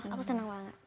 aku senang banget